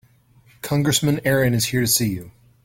Congressman Aaron is here to see you.